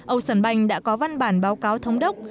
ocean bank đã có văn bản báo cáo thống đốc